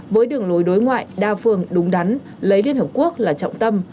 với đường lối đối ngoại đa phương đúng đắn lấy liên hợp quốc là trọng tâm